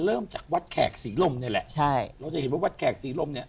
เริ่มจากวัดแขกสีล่มนี้แหละ